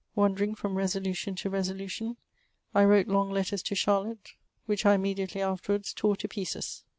Wandering from resolution to resolution, I wrote lons^ letters to Charlotte, which I immediately afterwards tore to pieces.